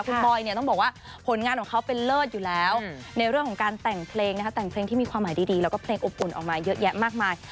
คุณบอยเนี่ยต้องบอกว่าผลงานของเขาเป็นเลิศอยู่แล้วในเรื่องของการแต่งเพลงนะคะแต่งเพลงที่มีความหมายดีแล้วก็เพลงอบอุ่นออกมาเยอะแยะมากมาย